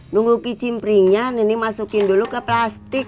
nunggu kicimpringnya nini masukin dulu ke plastik